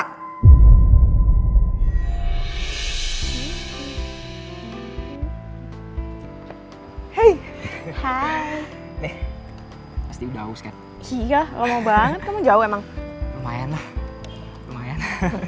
hai hai hai hai nih udah uskan iya kamu banget kamu jauh emang lumayan lumayan